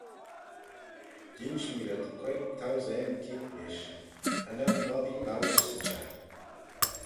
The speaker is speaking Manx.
Dinsh mee rhyt queig thousane keayrt nish - cha nel moddee lowit 'sy çhapp.